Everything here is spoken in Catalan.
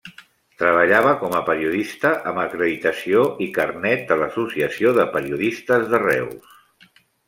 Treballava com a periodista amb acreditació i carnet de l'Associació de Periodistes de Reus.